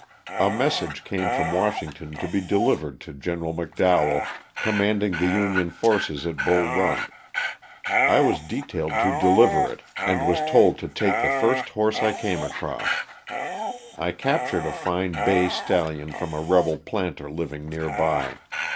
A message came from Washington to be delivered to Gen. McDowell commanding the Union forces at Bull Eun. I was detailed to deliver it, and was told to take the first horse I came across. I captured a fine bay stallion from a rebel planter living near by.